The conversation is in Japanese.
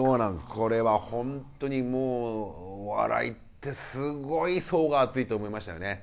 これは本当にもうお笑いってすごい層が厚いと思いましたよね。